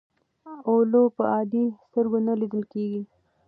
اولو په عادي سترګو نه لیدل کېږي.